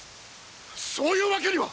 そういうワケには！